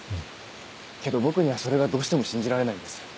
けど僕にはそれがどうしても信じられないんです。